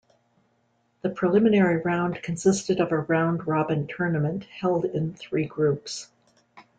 The preliminary round consisted of a round-robin tournament held in three groups.